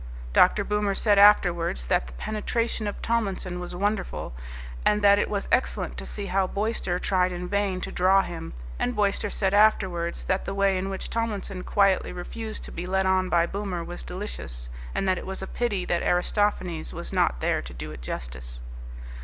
Dr. Boomer said afterwards that the penetration of Tomlinson was wonderful, and that it was excellent to see how Boyster tried in vain to draw him; and Boyster said afterwards that the way in which Tomlinson quietly refused to be led on by Boomer was delicious, and that it was a pity that Aristophanes was not there to do it justice.